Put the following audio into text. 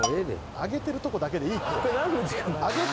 上げてるとこだけでいいって。